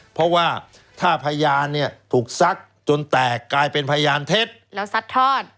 เพราะว่าถ้าพยานเนี่ยถูกซักจนแตกกลายเป็นพยานเท็จแล้วซัดทอด